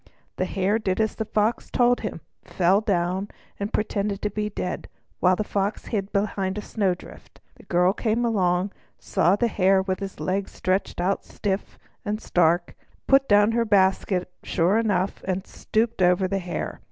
The Hare did as the Fox told him, fell down, and pretended to be dead, while the Fox hid behind a snow drift. The girl came along, saw the Hare with his legs stretched out stiff and stark, put down her basket sure enough, and stooped over the Hare.